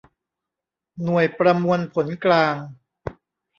หน่วยประมวลผลกลาง